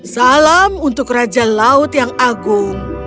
salam untuk raja laut yang agung